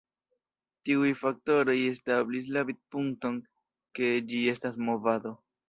Tiuj faktoroj establis la vidpunkton ke ĝi estas "movado".